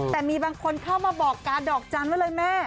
แต่มีบางคนเข้ามาบอกกาดอกจันทร์ไว้เลยแม่